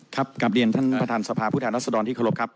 ครับกับเรียนท่านประธานสภาพุทธนัสดรที่เคารพครับ